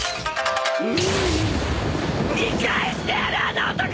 見返してやるあの男！